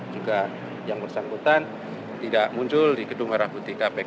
juga yang bersangkutan tidak muncul di gedung merah putih kpk